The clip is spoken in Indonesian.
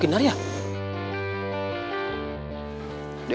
gak ada temennya